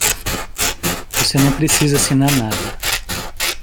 Você não precisa assinar nada.